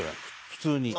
普通に。